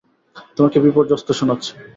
তোমাকে বিপর্যস্ত শোনাচ্ছে।